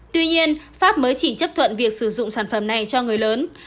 tuy nhiên pháp mới chỉ chấp thuận việc sử dụng sản phẩm này cho người lớn